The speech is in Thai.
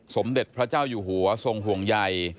สมเด็จพระเจ้าอยู่หัวทรงห่วงใย